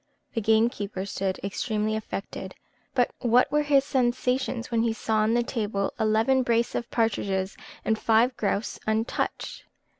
The gamekeeper stood extremely affected; but what were his sensations, when he saw on the table eleven brace of partridges, and five grouse untouched!